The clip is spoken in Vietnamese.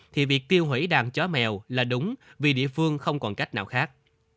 thì việc tiêu hủy đàn chó mèo là đúng vì địa phương không còn cách nào khác